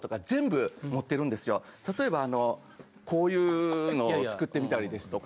例えばこういうのを作ってみたりですとか。